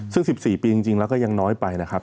ซึ่ง๑๔ปีจริงแล้วก็ยังน้อยไปนะครับ